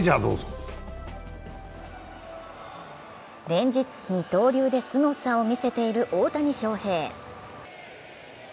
連日二刀流ですごさを見せている大谷翔平。